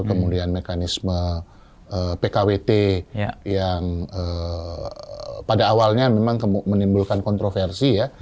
kemudian mekanisme pkwt yang pada awalnya memang menimbulkan kontroversi ya